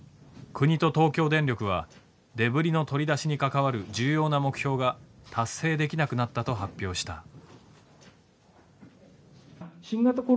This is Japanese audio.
国と東京電力はデブリの取り出しに関わる重要な目標が達成できなくなったと発表した。